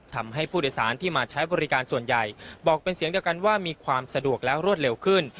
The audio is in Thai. ทำให้ผู้โดยสารที่มาใช้บริการส่วนใหญ่บอกเป็นเสียงเดียวกันว่ามีความสะดวกและรวดเร็วขึ้น